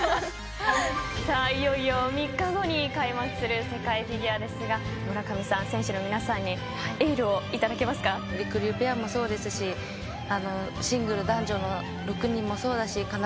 いよいよ３日後に開幕する世界フィギュアですが村上さん選手の皆さんにりくりゅうペアもそうですしシングル男女の６人もそうだしかな